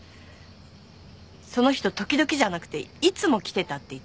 その人時々じゃなくていつも来てたって言ってた。